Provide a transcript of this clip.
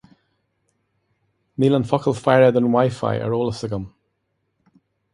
Níl an focal faire don WiFi ar eolas agam.